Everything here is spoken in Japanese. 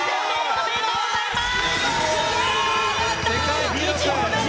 おめでとうございます。